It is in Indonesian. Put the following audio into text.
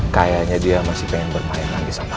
kayaknya dia masih pengen bermain lagi sama aku